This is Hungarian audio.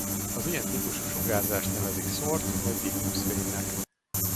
Az ilyen típusú sugárzást nevezik szórt vagy diffúz fénynek.